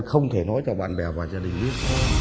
không thể nói cho bạn bè và gia đình biết